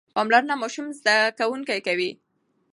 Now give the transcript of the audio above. پاملرنه ماشوم زده کوونکی کوي.